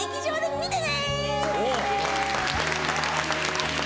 見てね！